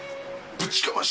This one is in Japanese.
ぶちかまし！